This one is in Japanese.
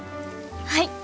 はい！